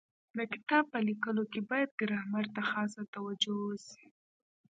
د کتاب په لیکلو کي باید ګرامر ته خاصه توجو وسي.